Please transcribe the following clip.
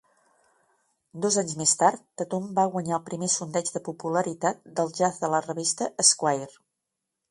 Dos anys més tard, Tatum va guanyar el primer sondeig de popularitat del jazz de la revista "Esquire".